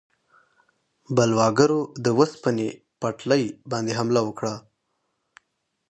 بلواګرو د اوسپنې پټلۍ باندې حمله وکړه.